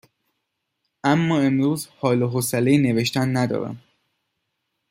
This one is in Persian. اما امروز حال و حوصله نوشتن ندارم.